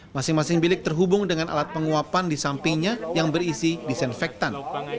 masing masing bilik terhubung dengan alat penguapan di sampingnya yang berisi disinfektan